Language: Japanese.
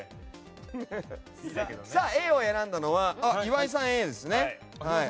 Ａを選んだのは岩井さんＡですね。